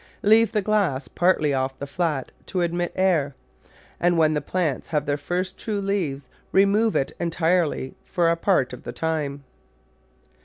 Leave die glass partly off the flat to admit air, and when the plants have their first true leaves remove it entirely for a part of the time.